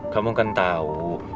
kamu kan tau